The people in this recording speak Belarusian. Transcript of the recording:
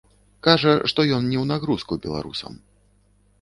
Кажа, што ён не ў нагрузку беларусам.